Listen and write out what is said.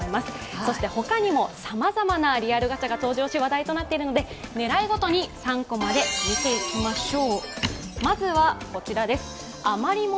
そして他にもさまざまなリアルガチャが登場し、話題となっているので狙いごとに３コマで見ていきましょう。